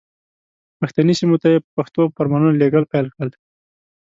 پښتني سیمو ته یې په پښتو فرمانونه لېږل پیل کړل.